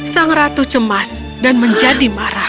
sang ratu cemas dan menjadi marah